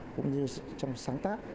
cũng như trong sáng tác